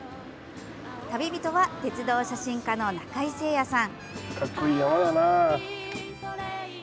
旅人は鉄道写真家の中井精也さん。